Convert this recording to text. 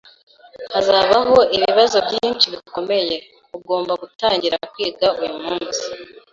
Hazabaho ibibazo byinshi bikomeye. Ugomba gutangira kwiga uyu munsi.